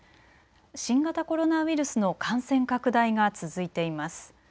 新型コロナウイルスの感染拡大が続いています。